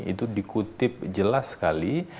itu dikutip jelas sekali